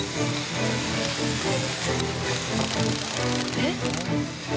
えっ？